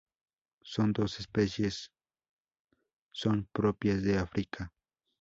Son dos especies son propias de África.